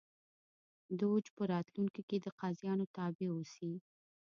دوج په راتلونکي کې د قاضیانو تابع اوسي